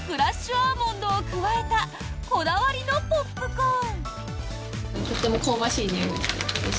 アーモンドを加えたこだわりのポップコーン。